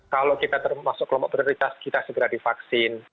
kalau kita termasuk kelompok prioritas kita segera divaksin